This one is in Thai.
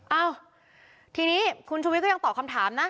เอ้าทีนี้คุณชุวิตก็ยังตอบคำถามนะ